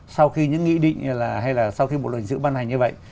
sau khi những nghị định hay là sau khi một luật hình sự ban hành như vậy